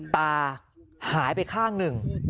ตาหายไปข้างหนึ่ง